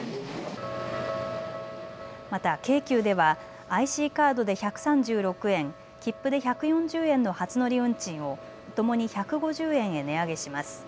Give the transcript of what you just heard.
また京急ではＩＣカードで１３６円、切符で１４０円の初乗り運賃をともに１５０円へ値上げします。